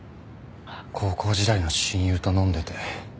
高校時代の親友と飲んでて。